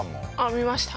見ました。